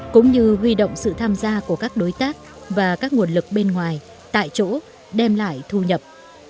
cũng như huy động sự tham gia của các đối tác và các nguồn lực bên ngoài tại chỗ đem lại thu nhập